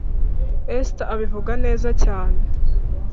esther abivuga neza cyane